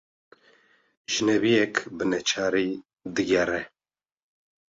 Jinebiyek bi neçarî diğere